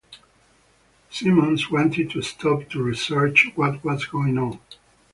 Simons wanted to stop to research what was going on.